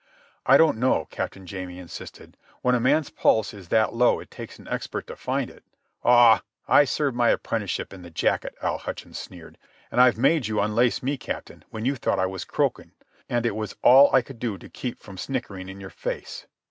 "I don't know," Captain Jamie insisted. "When a man's pulse is that low it takes an expert to find it—" "Aw, I served my apprenticeship in the jacket," Al Hutchins sneered. "And I've made you unlace me, Captain, when you thought I was croaking, and it was all I could do to keep from snickering in your face."